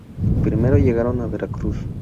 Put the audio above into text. Primero llegaron a Veracruz.